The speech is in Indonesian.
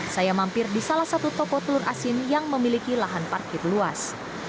saya mampir di salah satu toko telur asin yang memiliki lahan parkir luas